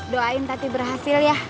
doain tadi berhasil ya